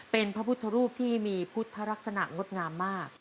เป็นพระพุทธรูปที่มีพุทธลักษณะงดงามมาก